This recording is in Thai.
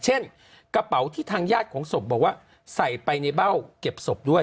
เช่นกระเป๋าที่ทางญาติของศพบอกว่าใส่ไปในเบ้าเก็บศพด้วย